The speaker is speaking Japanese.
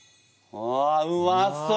あうまそう！